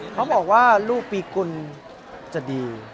เขาบอกว่ารูปปีกุลจะดี